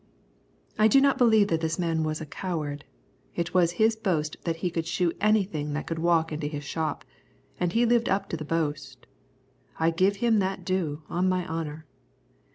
I do not believe that this man was a coward. It was his boast that he could shoe anything that could walk into his shop, and he lived up to the boast. I give him that due, on my honour.